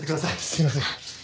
すいません